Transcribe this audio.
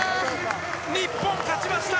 日本、勝ちました！